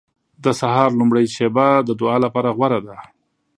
• د سهار لومړۍ شېبه د دعا لپاره غوره ده.